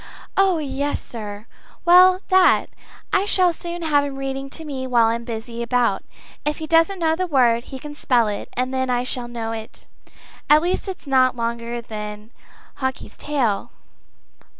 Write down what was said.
"Oh yes, sir well that! I shall soon have him reading to me while I'm busy about. If he doesn't know the word, he can spell it, and then I shall know it at least if it's not longer than Hawkie's tail."